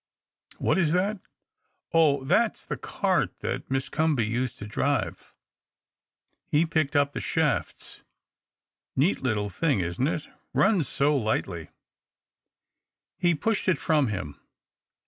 " What is that ? Oh, that's the cart that Miss Comby used to drive !" He picked up 278 THE OCTAVE OF CLAUDIUS. the shafts, " Neat little thing, isn't it ? Runs so lightly." He pushed it from him.